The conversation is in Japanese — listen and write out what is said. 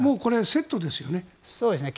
セットですよね。